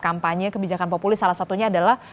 kampanye kebijakan populis salah satunya adalah